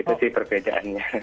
itu sih perbedaannya